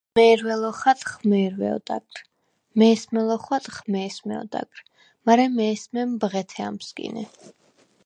მე̄რვე ლოხატხ, მე̄რვე ოდაგრ, მე̄სმე ლოხვატხ, მე̄სმე ოდაგრ, მარე მე̄სმემ ბღეთე ა̈მსკინე.